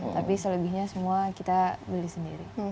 tapi selebihnya semua kita beli sendiri